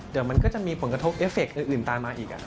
เดี๋ยวมันก็จะมีผลกระทบเอฟเฟคอื่นตามมาอีก